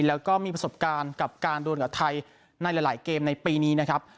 แล้วก็มีประสบการณ์กับการดวนกับไทยในหลายเกมในปีนี้นะครับ